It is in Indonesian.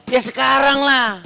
ya sekarang lah